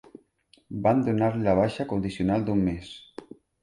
Van donar-li la baixa condicional d'un mes.